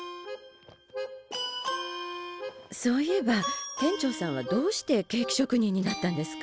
そういえば店長さんはどうしてケーキ職人になったんですか？